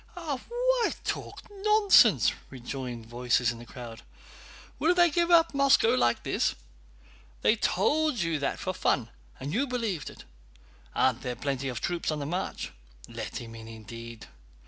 "Why talk nonsense?" rejoined voices in the crowd. "Will they give up Moscow like this? They told you that for fun, and you believed it! Aren't there plenty of troops on the march? Let him in, indeed!